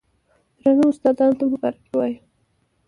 درنو استادانو ته مبارکي وايو،